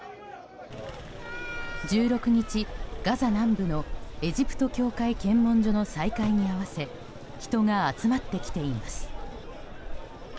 １６日、ガザ南部のエジプト境界検問所の再開に合わせ人が集まってきています。